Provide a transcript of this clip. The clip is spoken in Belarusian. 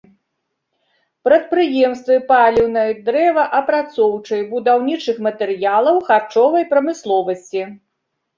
Прадпрыемствы паліўнай, дрэваапрацоўчай, будаўнічых матэрыялаў, харчовай прамысловасці.